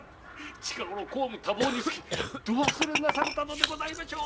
近ごろ公務多忙につき度忘れなされたのでしょう！